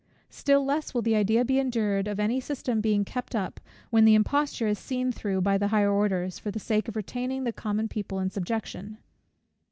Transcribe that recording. Still less will the idea be endured, of any system being kept up, when the imposture is seen through by the higher orders, for the sake of retaining the common people in subjection.